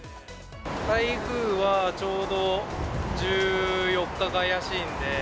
台風はちょうど１４日が怪しいんで。